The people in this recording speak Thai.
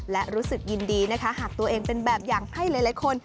และรู้สึกยินดีนะคะหากตัวเองเป็นแบบอย่างให้หลายคน